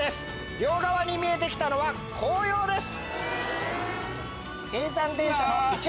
両側に見えて来たのは紅葉です。